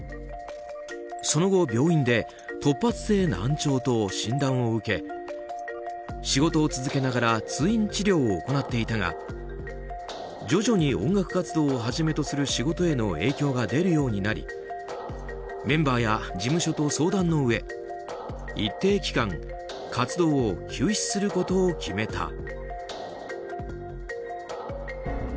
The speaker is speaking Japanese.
その後、病院で突発性難聴と診断を受け仕事を続けながら通院治療を行っていたが徐々に音楽活動をはじめとする仕事への影響が出るようになりメンバーや事務所と相談のうえ一定期間活動を休止することを決めた。